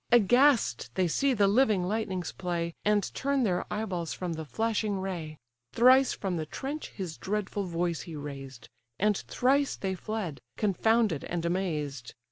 Aghast they see the living lightnings play, And turn their eyeballs from the flashing ray. Thrice from the trench his dreadful voice he raised, And thrice they fled, confounded and amazed.